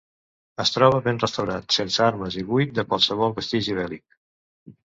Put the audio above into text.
Es troba ben restaurat, sense armes i buit de qualsevol vestigi bèl·lic.